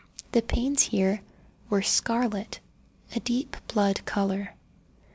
The panes here were scarlet—a deep blood colour.